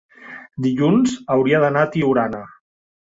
dilluns hauria d'anar a Tiurana.